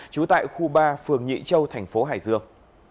trú tại khu ba phường nhị châu tp hải dương